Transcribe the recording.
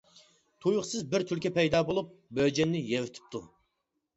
تۇيۇقسىز بىر تۈلكە پەيدا بولۇپ بۆجەننى يەۋېتىپتۇ.